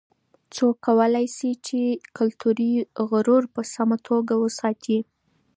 څوک کولای سي چې کلتوري غرور په سمه توګه وساتي؟